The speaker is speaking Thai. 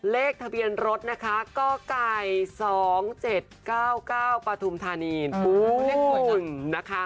เลขทะเบียนรถก็ไก่๒๗๙๙ปฐุมธานีน